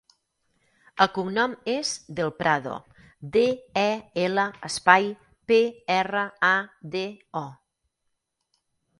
El cognom és Del Prado: de, e, ela, espai, pe, erra, a, de, o.